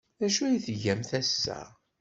D acu ay tgamt ass-a?